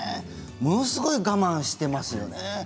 ものすごい我慢していますよね。